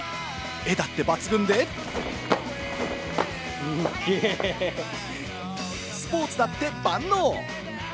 絵だって抜群で、スポーツだって万能！